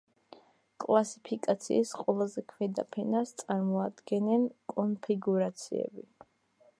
კლასიფიკაციის ყველაზე ქვედა ფენას წარმოადგენენ კონფიგურაციები.